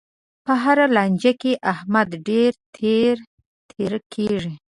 په هره لانجه کې، احمد ډېر تېره تېره کېږي.